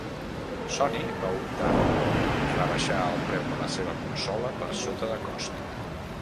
Sony va optar rebaixar el preu de la seva consola per sota de cost.